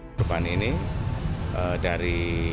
korban ini dari